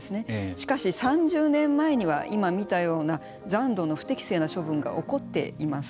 しかし、３０年前には今見たような残土の不適正な処分が起こっています。